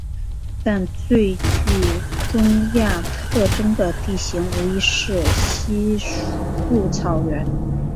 但最具中亚特征的地形无疑是稀树草原。